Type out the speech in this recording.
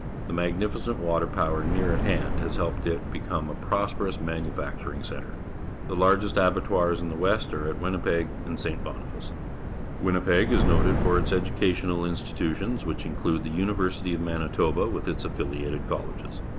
The magnificent water power near at hand has helped it to become a prosperous manu facturing centre. The largest abattoirs in the West are at Winnipeg and St. Bonihice. Winnipeg is noted for its educational institutions, which include the University of Manitoba with its affiUated colleges.